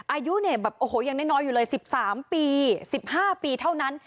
อายุเนี่ยแบบโอ้โหยังน้อยน้อยอยู่เลยสิบสามปีสิบห้าปีเท่านั้น